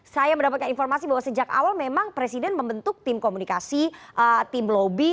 saya mendapatkan informasi bahwa sejak awal memang presiden membentuk tim komunikasi tim lobby